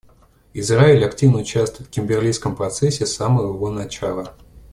Израиль активно участвует в Кимберлийском процессе с самого его начала.